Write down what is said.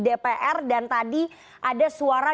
dpr dan tadi ada suara